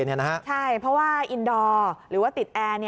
ใช่เพราะว่าอินดอร์หรือว่าติดแอร์